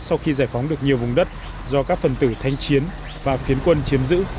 sau khi giải phóng được nhiều vùng đất do các phần tử thanh chiến và phiến quân chiếm giữ